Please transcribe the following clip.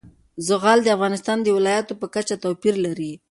زغال د افغانستان د ولایاتو په کچه توپیر لري.